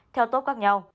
theo tốt khác nhau